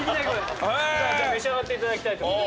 じゃあ召し上がっていただきたいと。